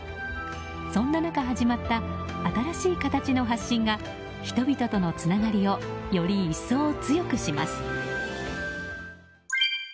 そんな中、始まった新しい形の発信が人々とのつながりをより一層強くします。